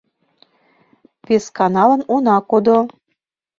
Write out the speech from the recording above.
— Весканалан она кодо.